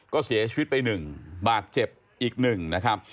ก็เสียชีวิตไป๑บาทเจ็บอีก๑นะครับ